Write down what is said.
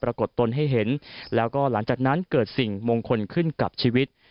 ปรากฏตนให้เห็นแล้วก็หลังจากนั้นเกิดสิ่งมงคลขึ้นกับชีวิต